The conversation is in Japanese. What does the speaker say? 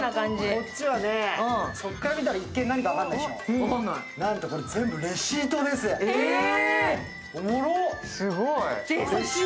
こっちはね、そっから見たら何か全然分かんないでしょ。